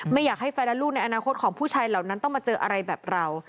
ไม่อยากให้แฟนและลูกในอนาคตของผู้ชายเหล่านั้นต้องมาเจออะไรแบบเรา